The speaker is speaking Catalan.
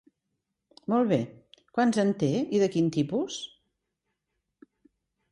Molt bé, quants en té i de quin tipus?